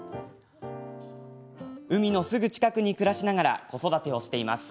海のすぐ近くに暮らしながら子育てをしています。